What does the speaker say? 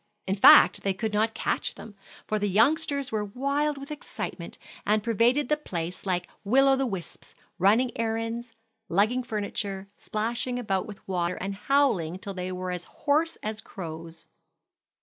In fact, they could not catch them; for the youngsters were wild with excitement, and pervaded the place like will o' the wisps, running errands, lugging furniture, splashing about with water, and howling till they were as hoarse as crows.